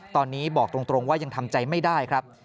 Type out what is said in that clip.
ตอนนี้บอกตรงว่ายังทำใจไม่ได้ครับ